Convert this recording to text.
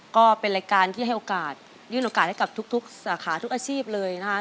ก็เป็นรายการที่ให้โอกาสยื่นโอกาสให้กับทุกสาขาทุกอาชีพเลยนะคะ